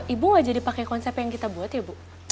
ibu nggak jadi pakai konsep yang kita buat ya bu